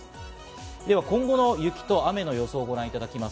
では今後の雨と雪の予想をご覧いただきます。